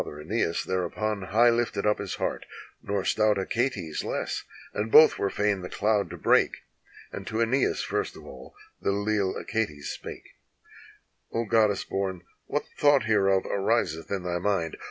Father yEneas thereupon high lifted up his heart, Nor stout Achates less, and both were fain the cloud to break ; And to iEneas first of all the leal Achates spake: "0 Goddess born, what thought hereof ariseth in thy mind?